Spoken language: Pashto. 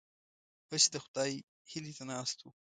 هسې د خدای هیلې ته ناست وو.